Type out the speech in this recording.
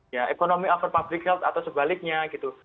ya ekonomi over public health atau sebaliknya gitu